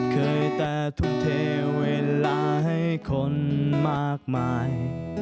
เคยแต่ทุ่มเทเวลาให้คนมากมาย